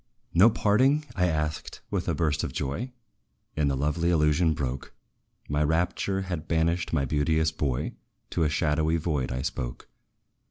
"No parting?" I asked, with a burst of joy; And the lovely illusion broke! My rapture had banished my beauteous boy To a shadowy void I spoke.